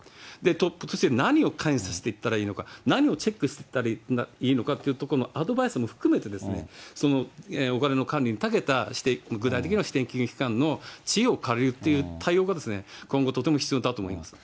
トップとして何を関与させていったらいいのか、何をチェックしていったらいいのかっていうところのアドバイスも含めて、そのお金の管理にたけた、具体的には指定金融機関の知恵を借りるという対応が、今後、とても必要だと思います。